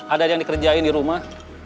ada yang dikerjain di rumah